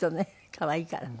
可愛いからね。